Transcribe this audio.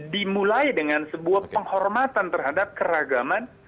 dimulai dengan sebuah penghormatan terhadap keragaman